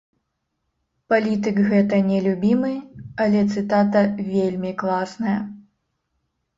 Палітык гэта не любімы, але цытата вельмі класная.